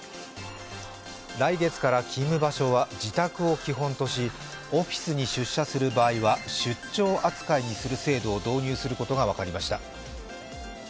来月から勤務場所は自宅を基本としオフィスに出社する場合は出張扱いにする制度を導入することが分かりました。